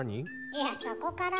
いやそこから？